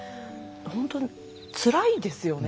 本当につらいですよね。